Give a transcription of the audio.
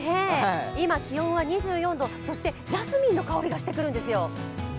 今、気温は２４度、そしてジャスミンの香りがしてくるんですよ。